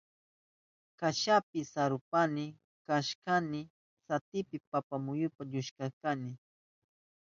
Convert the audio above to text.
Kashapi sarushpayni chankayni sapipi papa muyuka llukshiwashka.